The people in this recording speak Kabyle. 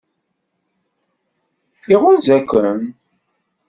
Iɣunza-ken?